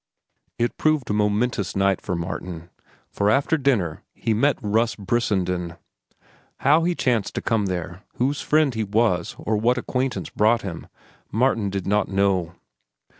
It proved a momentous night for Martin, for after dinner he met Russ Brissenden. How he chanced to come there, whose friend he was or what acquaintance brought him, Martin did not know.